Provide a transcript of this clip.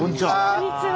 こんにちは。